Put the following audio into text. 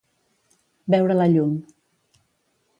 Veure la llum.